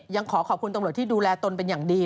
ยังขอขอบคุณตำรวจที่ดูแลตนเป็นอย่างดี